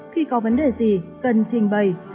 khi có vấn đề gì cần trình bày trả lời